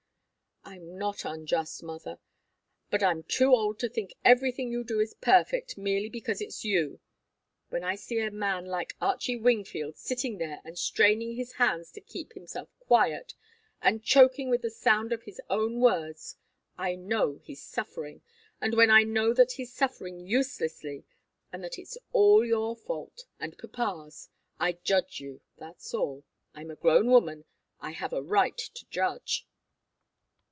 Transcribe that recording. "I'm not unjust, mother. But I'm too old to think everything you do is perfect, merely because it's you. When I see a man like Archie Wingfield sitting there and straining his hands to keep himself quiet, and choking with the sound of his own words, I know he's suffering and when I know that he's suffering uselessly, and that it's all your fault and papa's, I judge you that's all. I'm a grown woman. I have a right to judge."